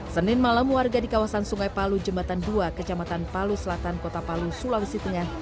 senin malam warga di kawasan sungai palu jembatan dua kecamatan palu selatan kota palu sulawesi tengah